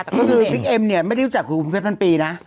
แต่ก็คือบิ๊กเอ็มเนี่ยไม่ได้รู้จักกับคุณเพชรพันปีนะ